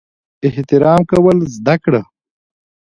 احترام کول زده کړه!